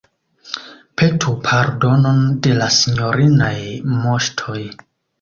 Petu pardonon de la sinjorinaj Moŝtoj.